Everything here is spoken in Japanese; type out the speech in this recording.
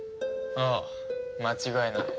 ああ間違いない。